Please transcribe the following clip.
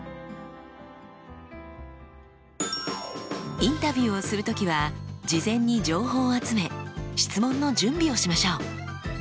インタビューをする時は事前に情報を集め質問の準備をしましょう。